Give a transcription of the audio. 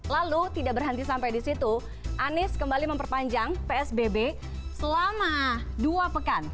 lalu tidak berhenti sampai di situ anies kembali memperpanjang psbb selama dua pekan